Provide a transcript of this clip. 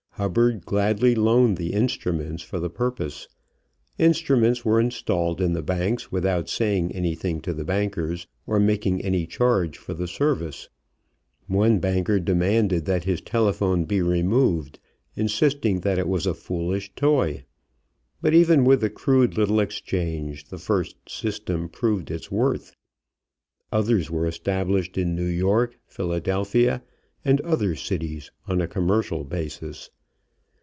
Hubbard gladly loaned the instruments for the purpose. Instruments were installed in the banks without saying anything to the bankers, or making any charge for the service. One banker demanded that his telephone be removed, insisting that it was a foolish toy. But even with the crude little exchange the first system proved its worth. Others were established in New York, Philadelphia, and other cities on a commercial basis.